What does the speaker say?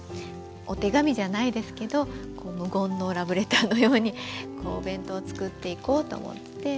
お手紙じゃないですけど無言のラブレターのようにお弁当を作っていこうと思ってて。